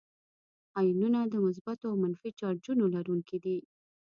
آیونونه د مثبتو او منفي چارجونو لرونکي دي.